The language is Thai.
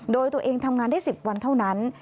โดยตัวเองทำงานได้๑๐วันเท่านั้น